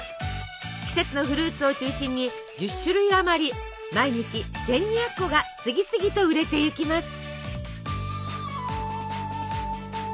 季節のフルーツを中心に１０種類あまり毎日１，２００個が次々と売れていきます。